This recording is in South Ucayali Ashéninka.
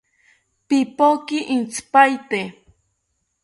Pipoki intzipaete